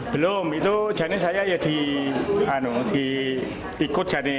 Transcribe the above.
belum itu jani saya ya diikut jani